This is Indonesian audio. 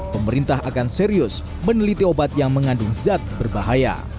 pemerintah akan serius meneliti obat yang mengandung zat berbahaya